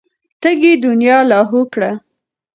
تږې دنيا لاهو کړه.